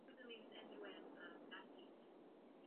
Jejím liturgickým obřadem je alexandrijský ritus.